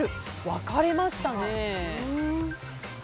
分かれましたね。